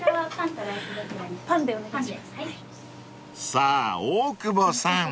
［さぁ大久保さん］